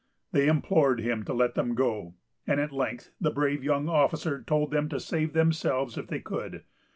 They implored him to let them go, and at length the brave young officer told them to save themselves if they could.